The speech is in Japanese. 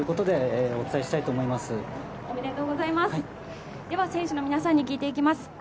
では選手の皆さんに聞いていきます。